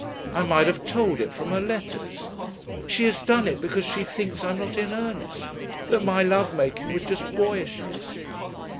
I might have told it from her letters. She has done it because she thinks I am not in earnest, that my love making was just boyishness